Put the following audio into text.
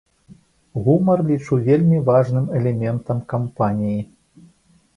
Гумар лічу вельмі важным элементам кампаніі.